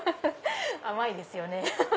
甘いですよね。